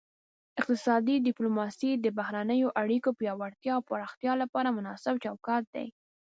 اقتصادي ډیپلوماسي د بهرنیو اړیکو پیاوړتیا او پراختیا لپاره مناسب چوکاټ دی